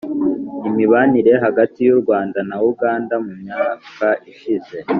imibanire hagati y’u rwanda na uganda mu myaka ishize